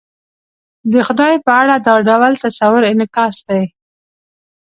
د خدای په اړه دا ډول تصور انعکاس دی.